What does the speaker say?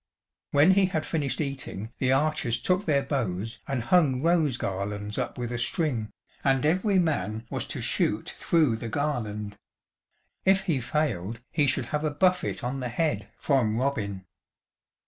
When he had finished eating the archers took their bows, and hung rose garlands up with a string, and every man was to shoot through the garland. If he failed, he should have a buffet on the head from Robin.